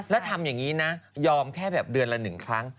แล้วทำอย่างนี้นะยอมแค่แบบเดือนละ๑ครั้ง